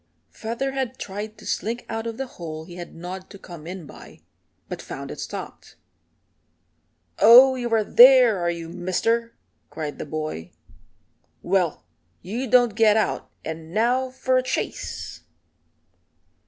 Featherhead tried to slink out of the hole he had gnawed to come in by, but found it stopped. "Oh, you are there, are you, Mister?" cried the boy. "Well, you don't get out, and now for a chase."